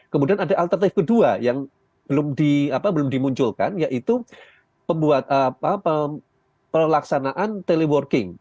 kemudian ada alternatif kedua yang belum dimunculkan yaitu pelaksanaan teleworking